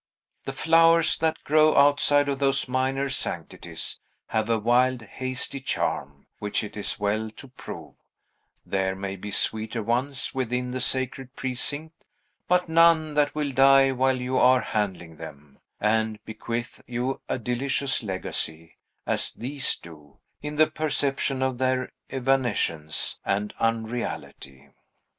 The flowers that grow outside of those minor sanctities have a wild, hasty charm, which it is well to prove; there may be sweeter ones within the sacred precinct, but none that will die while you are handling them, and bequeath you a delicious legacy, as these do, in the perception of their evanescence and unreality.